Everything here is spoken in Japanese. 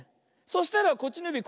そしたらこっちのゆび